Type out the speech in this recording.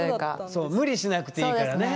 そう無理しなくていいからね！